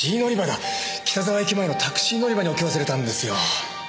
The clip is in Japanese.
北沢駅前のタクシー乗り場に置き忘れたんですよ。